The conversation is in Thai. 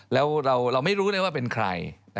แล้วเราไม่รู้เลยว่าเป็นใคร